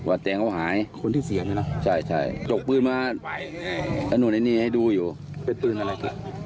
ว่าแตงเขาหายคนที่เสียเนี้ยหรอใช่ใช่จกปืนมาให้ดูอยู่เป็นปืนอะไร